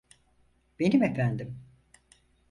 Benim efendim.